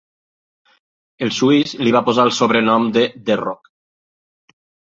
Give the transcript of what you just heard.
El suís li va posar el sobrenom de The Rock.